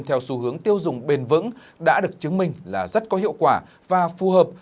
theo xu hướng tiêu dùng bền vững đã được chứng minh là rất có hiệu quả và phù hợp